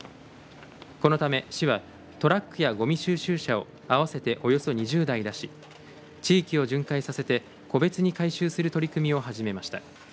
このため、市はトラックやごみ収集車を合わせておよそ２０台出し地域を巡回させて個別に回収する取り組みを始めました。